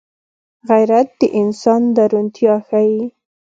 غیرت د انسان درونتيا ښيي